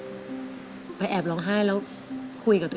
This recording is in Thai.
แล้วตอนนี้พี่พากลับไปในสามีออกจากโรงพยาบาลแล้วแล้วตอนนี้จะมาถ่ายรายการ